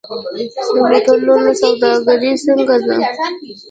د هوټلونو سوداګري څنګه ده؟